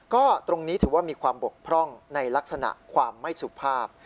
ก็ตรงนี้ถือว่ามีความบกพร่องในลักษณะความไม่สุภาพ